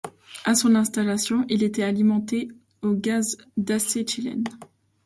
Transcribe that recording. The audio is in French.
Á son installation, il était alimenté au gaz d'acétylène.